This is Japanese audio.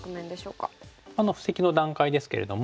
布石の段階ですけれども。